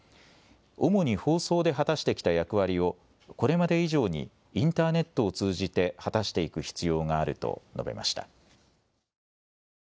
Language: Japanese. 主に放送で果たしてきた役割をこれまで以上にインターネットを通じて果たしていく必要があると述べました。